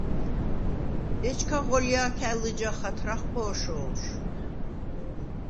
ეჩქა ღოლჲა̄ქა̈ ლჷჯა ხათრახ ყო̄შო̄ლშვ.